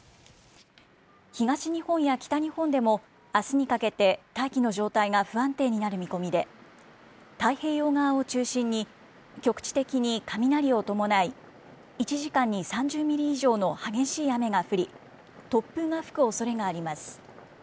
東日本や北日本でも、あすにかけて大気の状態が不安定になる見込みで、太平洋側を中心に、局地的に雷を伴い、１時間に３０ミリ以上の激しい雨が降り、突風が吹くおそれがあります。